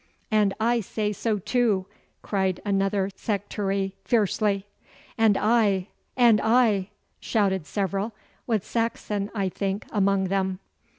'And I say so too,' cried another sectary fiercely. 'And I,' 'And I,' shouted several, with Saxon, I think, among them.